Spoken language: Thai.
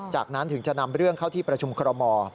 จากนั้นถึงจะนำเรื่องเข้าที่ประชุมคอรมอ